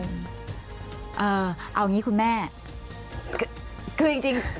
เอาอย่างนี้คุณแม่คือจริง